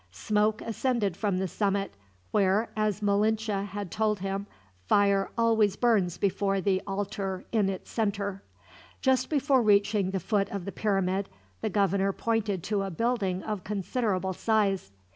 Smoke ascended from the summit, where, as Malinche had told him, fire always burns before the altar in its center. Just before reaching the foot of the pyramid, the governor pointed to a building of considerable size.